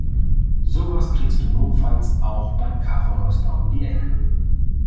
Sowas kriegst du notfalls auch beim Kaffeeröster um die Ecke.